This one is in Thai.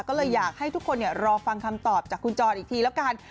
ก็เลยอยากให้ทุกคนรอฟังคำตอบจากคุณจรอีกทีแล้วกัน